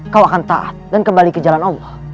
kau akan taat dan kembali ke jalan allah